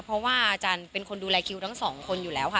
เพราะว่าอาจารย์เป็นคนดูแลคิวทั้งสองคนอยู่แล้วค่ะ